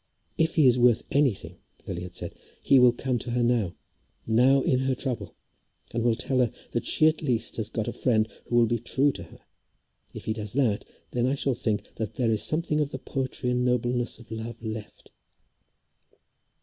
"If he is worth anything," Lily had said, "he will come to her now, now in her trouble; and will tell her that she at least has got a friend who will be true to her. If he does that, then I shall think that there is something of the poetry and nobleness of love left."